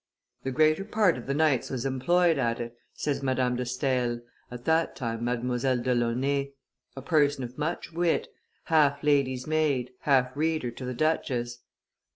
"The greater part of the nights was employed at it," says Madame de Stael, at that time Mdlle. do Launay, a person of much wit, half lady's maid, half reader to the duchess.